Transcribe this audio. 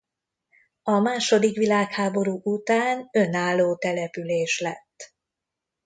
A második világháború után önálló település lett.